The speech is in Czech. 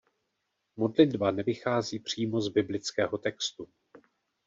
Modlitba nevychází přímo z biblického textu.